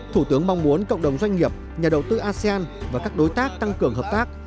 thủ tướng mong muốn cộng đồng doanh nghiệp nhà đầu tư asean và các đối tác tăng cường hợp tác